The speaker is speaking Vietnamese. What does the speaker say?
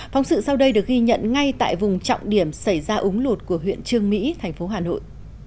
phóng sự sau đây được ghi nhận ngay tại vùng trọng điểm xảy ra úng lụt của huyện trương mỹ thành phố hà nội